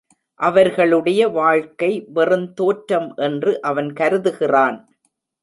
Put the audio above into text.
அவர்களுடைய வாழ்க்கை வெறுந் தோற்றம் என்று அவன் கருதுகிறான்.